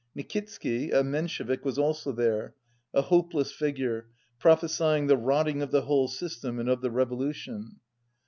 Nikitsky, a Men shevik, was also there, a hopeless figure, prophesy ing the rotting of the whole system and of the revo lution.